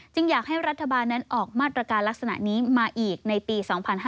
อยากให้รัฐบาลนั้นออกมาตรการลักษณะนี้มาอีกในปี๒๕๕๙